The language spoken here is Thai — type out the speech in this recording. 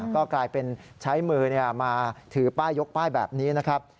ก็กลายเป็นใช้มือมาถือป้ายยกป้ายแบบนี้นะครับ